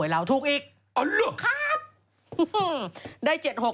ปลาหมึกแท้เต่าทองอร่อยทั้งชนิดเส้นบดเต็มตัว